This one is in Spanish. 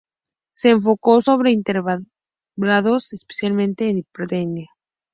Se enfocó sobre invertebrados, especialmente en "Diptera".